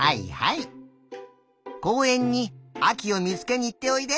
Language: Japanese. こうえんにあきをみつけにいっておいで。